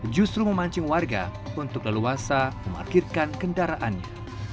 justru memancing warga untuk leluasa memarkirkan kendaraannya